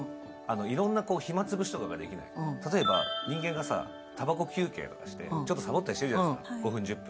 例えば人間がたばこ休憩でちょっとさぼったりしているじゃない、５分、１０分。